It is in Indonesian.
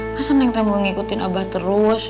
masa neng teh mau ikutin abah terus